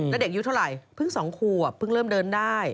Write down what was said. แล้วเด็กอายุเท่าไหร่เพิ่ง๒ขวบเพิ่งเริ่มเดินได้